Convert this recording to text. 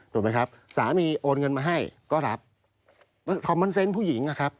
ถูกไหมครับสามีโอนเงินมาให้ก็รับคอมมันเซนต์ผู้หญิงอะครับ